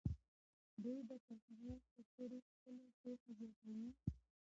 دوی به تر هغه وخته پورې خپله پوهه زیاتوي.